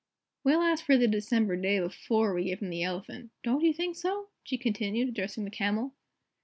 "We'll ask for the December day before we give him the Elephant, don't you think so?" she continued, addressing the Camel.